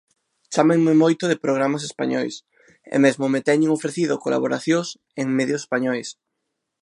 Chámanme moito de programas españois, e mesmo me teñen ofrecido colaboracións en medios españois.